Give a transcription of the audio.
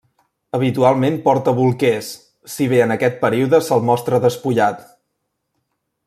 Habitualment porta bolquers, si bé en aquest període se'l mostre despullat.